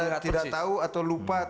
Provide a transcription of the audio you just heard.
kalau saudara tidak tahu atau lupa